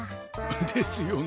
ですよね。